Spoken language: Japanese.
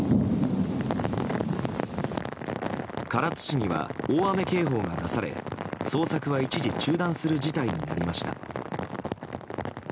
唐津市には大雨警報が出され捜索は一時中断する事態になりました。